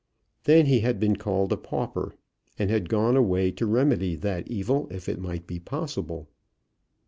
Then he had been called a pauper, and had gone away to remedy that evil if it might be possible.